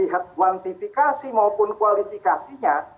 quantifikasi maupun kualifikasinya